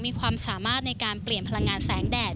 มีความสามารถในการเปลี่ยนพลังงานแสงแดด